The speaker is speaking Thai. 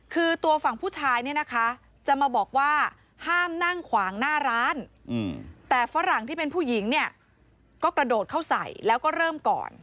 คือตัวฝั่งผู้ชายเนี่ยนะคะจะมาบอกว่าห้ามนั่งขวางหน้าร้านแต่ฝรั่งที่เป็นผู้หญิงเนี่ยก็กระโดดเข้าใส่แล้วก็เริ่มก่อน